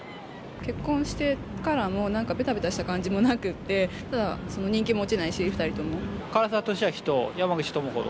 結婚してからも、なんかべたべたした感じもなくて、ただ、人気も落ちないし、２人とも。